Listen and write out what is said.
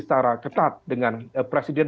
secara ketat dengan presiden